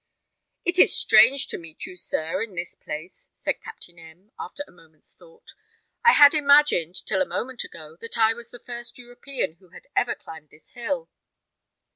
"It is strange to meet you, sir, in this place," said Captain M , after a moment's thought. "I had imagined, till a moment ago, that I was the first European who had ever climbed this hill."